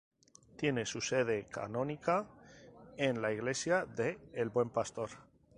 Tiene su sede canónica en la Iglesia de El Buen Pastor.